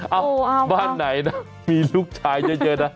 เอ่อบ้านไหนนะมีลูกชายเยอะเนี่ย